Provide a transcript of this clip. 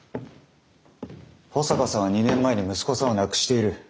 保坂さんは２年前に息子さんを亡くしている。